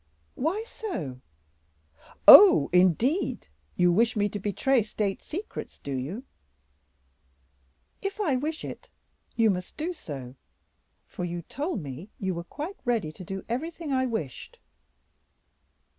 "Why so?" "Oh, indeed! you wish me to betray state secrets, do you?" "If I wish it, you must do so, for you told me you were quite ready to do everything I wished."